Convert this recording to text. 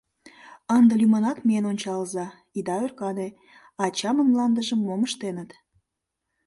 Ынде лӱмынак миен ончалза, ида ӧркане, ачамын мландыжым мом ыштеныт.